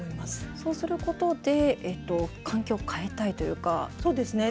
そうすることで環境を変えたいというか不安をなくしたい？